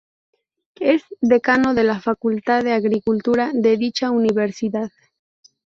Es decano de la Facultad de Agricultura, de dicha Universidad